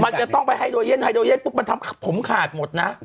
มันจะต้องไปให้โดยเย่นให้โดยเย่นมันทำผมขาดหมดนะ